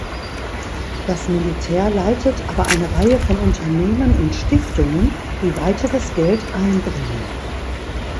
Das Militär leitet aber eine Reihe von Unternehmen und Stiftungen, die weiteres Geld einbringen.